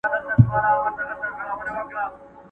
ډېر پخوا سره ټول سوي ډېر مرغان وه٫